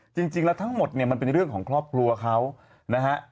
จริงแล้วทั้งหมดเนี่ยมันเป็นเรื่องของครอบครัวเขานะฮะ